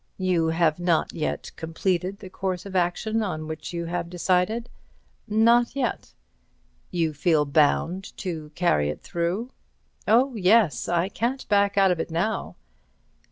"You have not yet completed the course of action on which you have decided?" "Not yet." "You feel bound to carry it through?" "Oh, yes—I can't back out of it now."